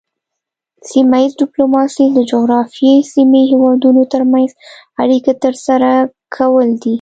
سیمه ایز ډیپلوماسي د جغرافیایي سیمې هیوادونو ترمنځ اړیکې ترسره کول دي